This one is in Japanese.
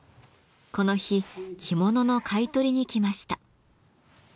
この日着物の買い取りに来ました。